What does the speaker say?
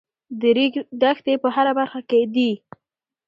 د ریګ دښتې په هره برخه کې دي.